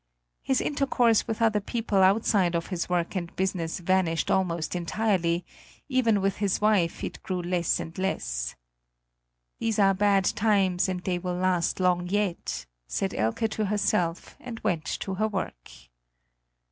His intercourse with other people outside of his work and business vanished almost entirely; even with his wife it grew less and less. "These are bad times, and they will last long yet," said Elke to herself and went to her work.